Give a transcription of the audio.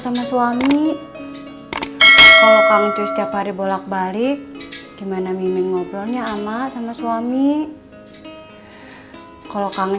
sama suami kalau kang itu setiap hari bolak balik gimana mimin ngobrolnya ama sama suami kalau kang